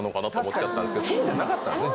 そうじゃなかったんですね。